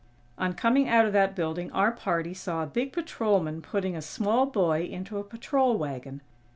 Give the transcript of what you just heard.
On coming out of that building our party saw a big patrolman putting a small boy into a patrol wagon.